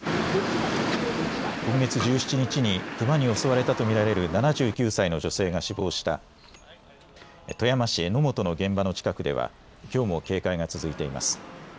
今月１７日にクマに襲われたと見られる７９歳の女性が死亡した富山市江本の現場の近くではきょうも警戒が続いています。